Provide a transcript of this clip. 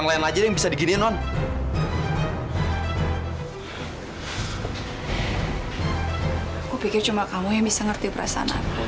mama udah perhatian dan juga sayang sama mirza